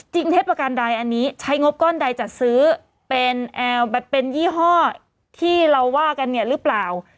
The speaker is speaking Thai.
เท็จประการใดอันนี้ใช้งบก้อนใดจัดซื้อเป็นยี่ห้อที่เราว่ากันเนี่ยหรือเปล่า